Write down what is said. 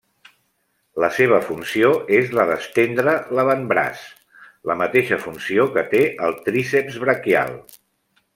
La seva funció és la d'estendre l'avantbraç, la mateixa funció que té el tríceps braquial.